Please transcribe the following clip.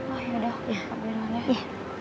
oh yaudah aku kabirin aja